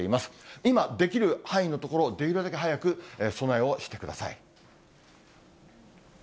今、できる範囲のところをできるだけ早く備えをしてください。